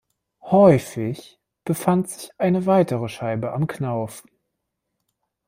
Häufig befand sich eine weitere Scheibe am Knauf.